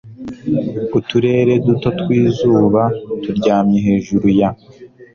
Uturere duto twizuba turyamye hejuru ya